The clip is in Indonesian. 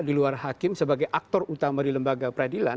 di luar hakim sebagai aktor utama di lembaga peradilan